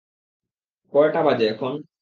কয়টা বাজে এখন?